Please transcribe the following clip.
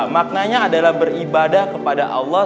maknanya adalah beribadah kepada allah